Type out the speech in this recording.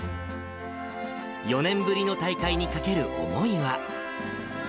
４年ぶりの大会にかける思いは。